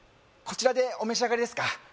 こちらでお召し上がりですか？